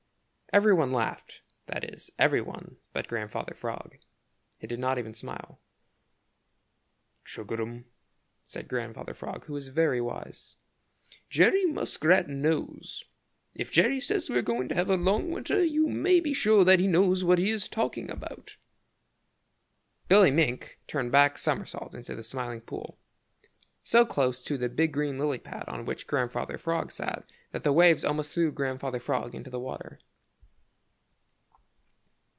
Everybody laughed, that is, everybody but Grandfather Frog. He did not even smile. "Chug a rum!" said Grandfather Frog, who is very wise. "Jerry Muskrat knows. If Jerry says that we are going to have a long cold winter you may be sure that he knows what he is talking about." Billy Mink turned a back somersault into the Smiling Pool so close to the big green lily pad on which Grandfather Frog sat that the waves almost threw Grandfather Frog into the water.